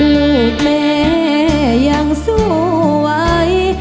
ลูกแม่ยังสวย